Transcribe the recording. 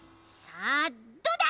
さあどうだ！